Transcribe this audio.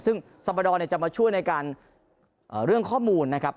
ซึ่งสมดรจะมาช่วยในการเรื่องข้อมูลนะครับ